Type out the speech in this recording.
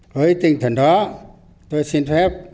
với tinh thần đó tôi xin phép